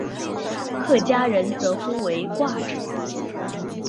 客家人则呼为挂纸。